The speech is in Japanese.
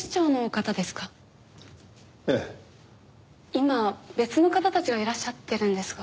今別の方たちがいらっしゃってるんですが。